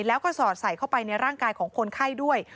แล้วก็สอดใส่เข้าไปในร่างกายของคนไข้ด้วย